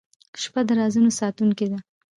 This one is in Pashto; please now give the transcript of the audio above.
• شپه د رازونو ساتونکې ده.